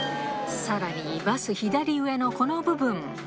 さらにバス左上のこの部分。